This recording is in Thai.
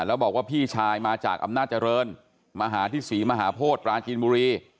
แล้วบอกว่าพี่ชายมาจากอำนาจเจริญมาหาที่ศรีมหาโพธิปราจีนบุรี